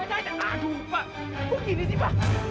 pak jalan ini dong pak